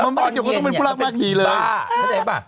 มันไม่ได้เจอมันต้องเป็นผู้รักมากทีเลยพี่ป้าเด็กป้ะ